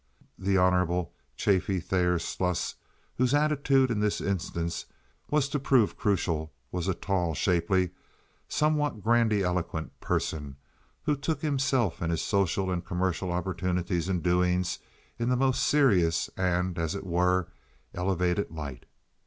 The Hon. Chaffee Thayer Sluss, whose attitude in this instance was to prove crucial, was a tall, shapely, somewhat grandiloquent person who took himself and his social and commercial opportunities and doings in the most serious and, as it were, elevated light.